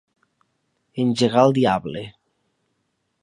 Engegar al diable.